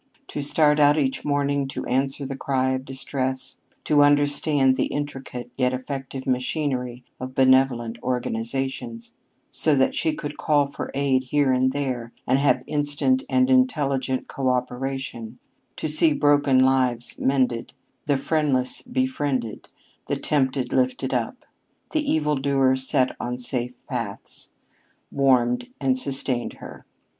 To start out each morning to answer the cry of distress, to understand the intricate yet effective machinery of benevolent organizations, so that she could call for aid here and there, and have instant and intelligent coöperation, to see broken lives mended, the friendless befriended, the tempted lifted up, the evil doer set on safe paths, warmed and sustained her.